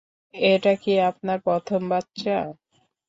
এটা কি আপনার প্রথম বাচ্চা?